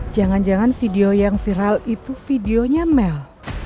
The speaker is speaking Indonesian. jangan jangan video yang viral itu videonya mel